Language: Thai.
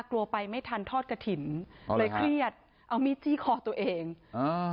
ไปไม่ทันทอดกระถิ่นเลยเครียดเอามีดจี้คอตัวเองอ่า